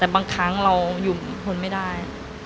แต่บางครั้งเราอยู่ทนไม่ได้